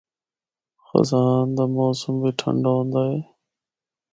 خزاں دا موسم بھی ٹھنڈا ہوندا اے۔